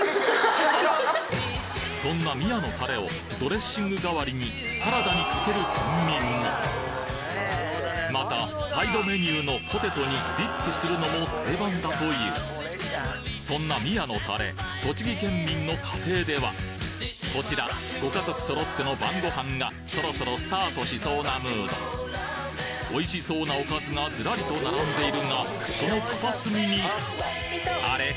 そんな宮のたれをドレッシングがわりにサラダにかける県民もまたサイドメニューのポテトにディップするのも定番だというそんな宮のたれ栃木県民の家庭ではこちらご家族そろっての晩ご飯がそろそろスタートしそうなムードおいしそうなオカズがずらりと並んでいるがその片隅にあれ？